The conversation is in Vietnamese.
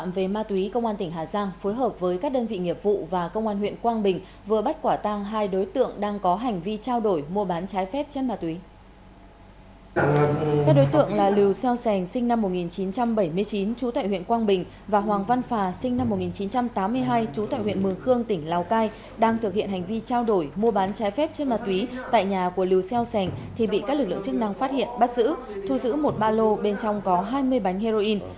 và hoàng văn phà sinh năm một nghìn chín trăm tám mươi hai trú tại huyện mường khương tỉnh lào cai đang thực hiện hành vi trao đổi mua bán trái phép trên mặt túy tại nhà của liêu xeo sành thì bị các lực lượng chức năng phát hiện bắt giữ thu giữ một ba lô bên trong có hai mươi bánh heroin